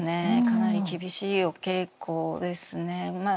かなり厳しいお稽古ですね。